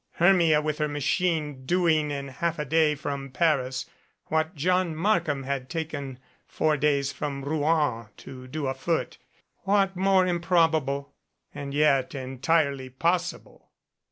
Hermia with her machine doing in half a day from Paris what John Markham had taken four days from Rouen to do afoot. What more improb able? And yet entirely possible!